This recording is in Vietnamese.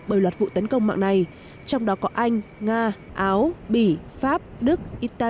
bởi loạt vụ tấn công mạng này trong đó có anh nga áo bỉ pháp đức